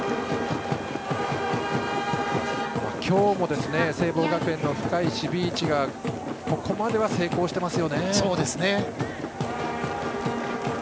今日も聖望学園の深い守備位置がここまでは成功しています。